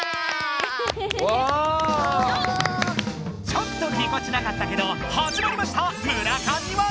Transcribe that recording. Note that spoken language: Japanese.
ちょっとぎこちなかったけどはじまりました！